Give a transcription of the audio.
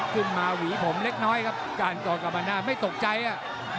ขึ้นมาหวีผมเล็กน้อยครับการต่อกับอันนั้นไม่ตกใจอ่ะ